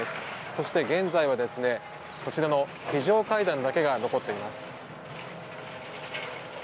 そして現在は非常階段だけが残っています。